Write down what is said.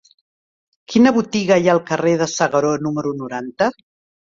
Quina botiga hi ha al carrer de S'Agaró número noranta?